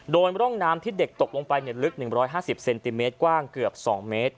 โดยร่องน้ำที่เด็กตกลงไปลึก๑๕๐เซนติเมตรกว้างเกือบ๒เมตร